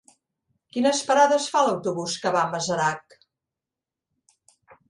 Quines parades fa l'autobús que va a Masarac?